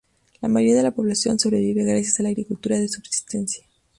La mayoría de la población sobrevive gracias a la agricultura de subsistencia.